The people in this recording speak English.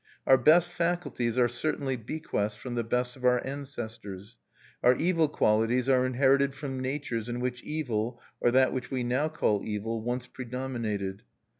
Our best faculties are certainly bequests from the best of our ancestors; our evil qualities are inherited from natures in which evil, or that which we now call evil, once predominated.